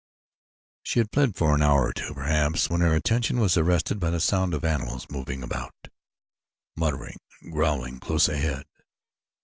She had fled for an hour or two, perhaps, when her attention was arrested by the sound of animals moving about, muttering and growling close ahead.